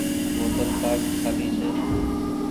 بوتل ڪآ کآلي ڇي۔